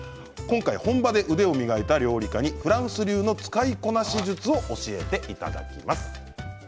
本場で腕を磨いた料理家にフランス流の使いこなし術を教えていただきます。